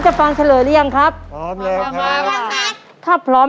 รับทุนไปต่อชีวิตสุดหนึ่งล้อนบอส